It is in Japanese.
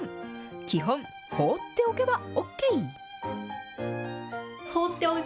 基本、放っておけばＯＫ。